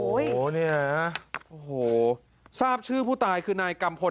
โอ้โหเนี่ยโอ้โหทราบชื่อผู้ตายคือนายกัมพล